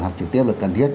học trực tiếp là cần thiết